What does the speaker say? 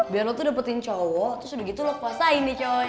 biar lo tuh dapetin cowok terus udah gitu lo kuasain nih coy